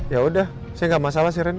ya udah saya gak masalah sih ren